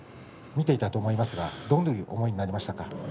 見ていたと思いますがどういう思いになりましたか。